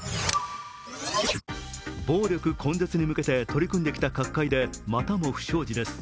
暴力根絶に向けて取り組んできた角界でまたも不祥事です。